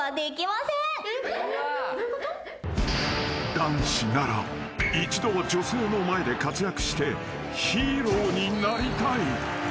［男子なら一度は女性の前で活躍してヒーローになりたい］